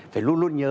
phải luôn luôn nhớ